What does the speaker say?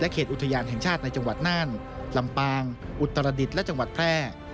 เขตอุทยานแห่งชาติในจังหวัดน่านลำปางอุตรดิษฐ์และจังหวัดแพร่